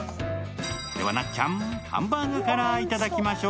では、なっちゃん、ハンバーグからいただきましょう。